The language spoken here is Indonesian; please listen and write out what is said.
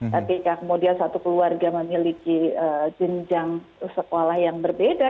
ketika kemudian satu keluarga memiliki jenjang sekolah yang berbeda